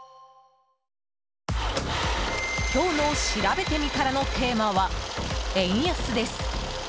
今日のしらべてみたらのテーマは円安です。